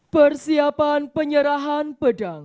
persiapan penyerahan pedang